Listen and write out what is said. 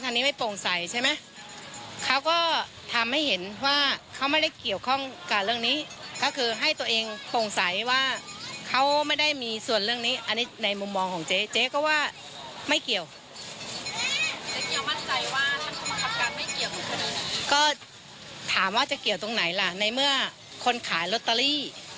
ในเมื่อคนขายลอตเตอรี่